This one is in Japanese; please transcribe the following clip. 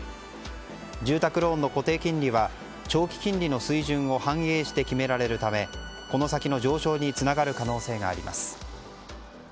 住宅ローンの固定金利は長期金利の水準を反映して決められるためこの先の上昇につながる可能性があります。